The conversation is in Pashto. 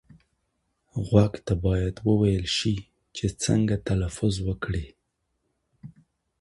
غوږ ته باید وویل شي چې څنګه تلفظ وکړي.